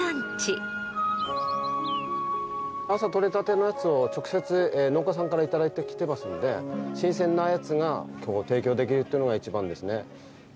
朝とれたてのやつを直接農家さんから頂いてきていますので新鮮なやつが提供できるっていうのが一番ですね。